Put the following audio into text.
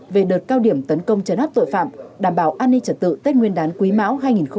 về đợt cao điểm tấn công chấn áp tội phạm đảm bảo an ninh trật tự tết nguyên đán quý máu hai nghìn hai mươi bốn